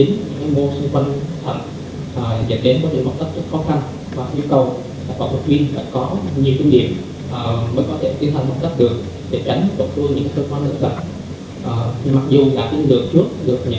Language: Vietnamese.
tuy vào vị trí kích thước và giai đoạn của soi đường tiết niệu